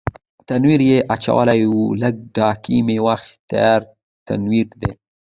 تنور یې اچولی و، لږ ډکي مې واخیستل، تیار تنور دی.